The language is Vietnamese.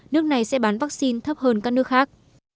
nước này sẽ bán vaccine thấp hơn các nước khác